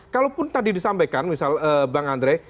kalaupun tadi disampaikan misal bang andre